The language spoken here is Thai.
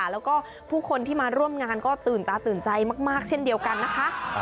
แล้วก็ผู้คนที่มาร่วมงานก็ตื่นตาตื่นใจมากเช่นเดียวกันนะคะ